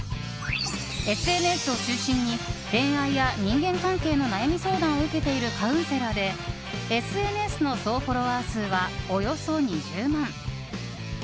ＳＮＳを中心に恋愛や人間関係の悩み相談を受けているカウンセラーでＳＮＳの総フォロワー数はおよそ２０万。